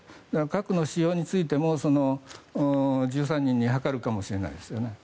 核の使用についても１３人に諮るかもしれないですね。